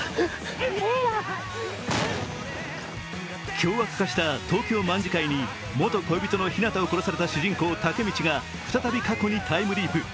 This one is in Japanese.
凶悪化した東京卍會に元恋人のヒナタを殺された主人公・タケミチが再び過去にタイムリープ。